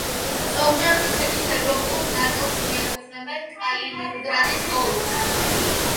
ზოგჯერ რუსეთის ევროპულ ნაწილს მიაკუთვნებენ კალინინგრადის ოლქს.